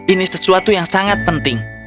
ini sesuatu yang sangat penting